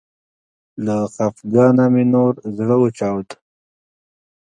له خفګانه مې نور زړه وچاوده